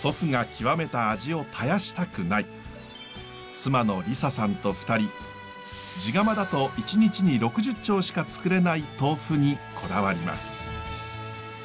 妻の理沙さんと２人地釜だと１日に６０丁しかつくれない豆腐にこだわります。